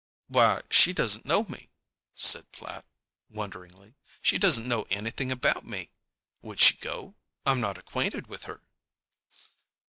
"Why, she doesn't know me," said Platt, wonderingly. "She doesn't know anything about me. Would she go? I'm not acquainted with her."